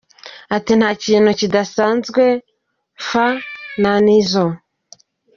Ati “Nta kintu kidasanzwe mfa na Nizo.